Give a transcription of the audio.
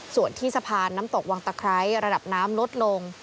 ส่วนที่สะพานน้ำตกวังตะไคร้ระดับน้ำลดลง